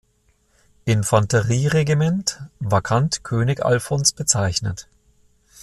Infanterie-Regiment „vacant König Alfons“ bezeichnet.